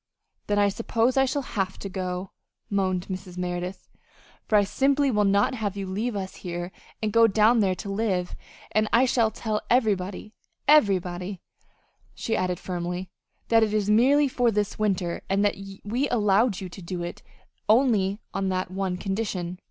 "Then I suppose I shall have to go," moaned Mrs. Merideth, "for I simply will not have you leave us here and go down there to live; and I shall tell everybody, everybody," she added firmly, "that it is merely for this winter, and that we allowed you to do it only on that one condition."